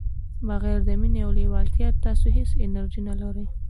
بغير د مینې او لیوالتیا تاسو هیڅ انرژي نه لرئ.